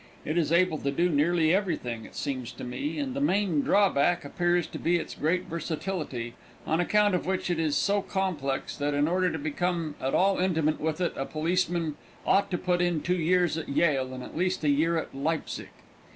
It is able to do nearly anything, it seems to me, and the main drawback appears to be its great versatility, on account of which it is so complex that in order to become at all intimate with it a policeman ought to put in two years at Yale and at least a year at Leipsic.